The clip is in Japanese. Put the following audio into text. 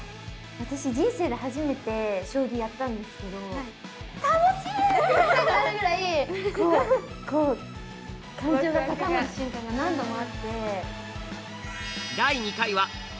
私人生で初めて将棋やったんですけど。って言いたくなるぐらいこうこう感情が高まる瞬間が何度もあって。